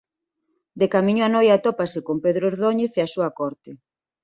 De camiño a Noia atópase con Pedro Ordóñez e a súa corte.